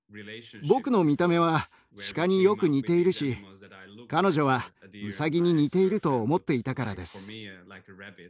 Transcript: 僕の見た目はシカによく似ているし彼女はウサギに似ていると思っていたからです。